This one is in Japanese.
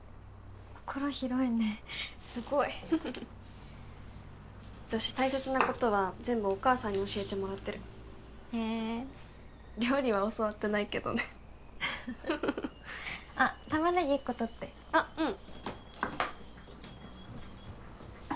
心広いねすごい私大切なことは全部お母さんに教えてもらってるへえ料理は教わってないけどねあっタマネギ１個取ってあっうん